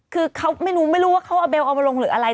คือเขาไม่รู้ไม่รู้ว่าเขาเอาเบลเอามาลงหรืออะไร